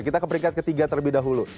kita ke peringkat ketiga terlebih dahulu